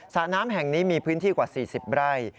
ระน้ำแห่งนี้มีพื้นที่กว่า๔๐ไร่